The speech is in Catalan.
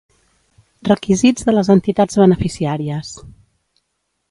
Requisits de les entitats beneficiàries.